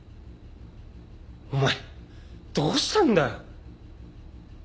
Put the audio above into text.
お前どうしたんだよ？